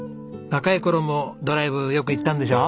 若い頃もドライブよく行ったんでしょ？